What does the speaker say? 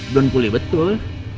belom pulih betul